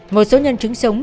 một số nhân chứng sống